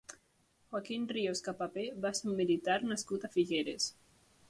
Joaquín Ríos Capapé va ser un militar nascut a Figueres.